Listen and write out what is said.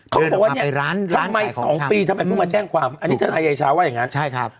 เขาบอกว่าเนี่ยทำไม๒ปีทำไมเพิ่งมาแจ้งความอันนี้เธอไทยใหญ่ชาวว่าอย่างนั้น